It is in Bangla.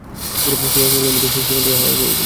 সেই এক মূহুর্তের মধ্যেই সে সেখানে থেকে হাওয়া হয়ে গেলো।